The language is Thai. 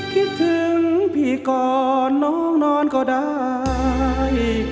คิดถึงพี่ก่อนน้องนอนก็ได้